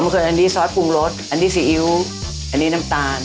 เกิดอันนี้ซอสปรุงรสอันนี้ซีอิ๊วอันนี้น้ำตาล